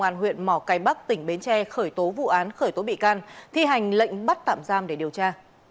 cơ quan huyện mỏ cái bắc tỉnh bến tre khởi tố vụ án khởi tố bị can thi hành lệnh bắt tạm giam để điều tra